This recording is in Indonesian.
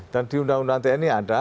dan di undang undang tni ada